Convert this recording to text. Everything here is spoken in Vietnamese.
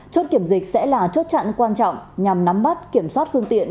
chốt kiểm dịch sẽ là chốt chặn quan trọng nhằm nắm bắt kiểm soát phương tiện